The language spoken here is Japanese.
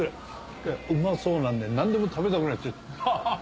いやうまそうなんでなんでも食べたくなっちゃって。